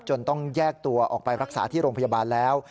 ต้องแยกตัวออกไปรักษาที่โรงพยาบาลแล้ว